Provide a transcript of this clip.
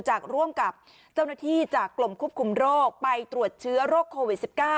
ร่วมกับเจ้าหน้าที่จากกรมควบคุมโรคไปตรวจเชื้อโรคโควิด๑๙